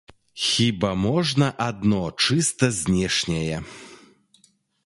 Хіба можа адно, чыста знешняе.